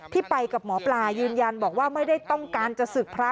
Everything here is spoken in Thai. ที่ไปกับหมอปลายืนยันบอกว่าไม่ได้ต้องการจะศึกพระ